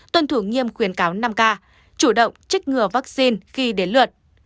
tuân thủ nghiêm khuyến cáo năm k chủ động trích ngừa vaccine khi đến luận